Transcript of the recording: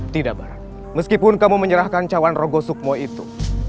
tidak barang meskipun kamu menyerahkan cawan rogo sukmo itu